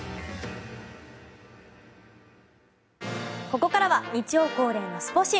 ここからは日曜恒例のスポ神。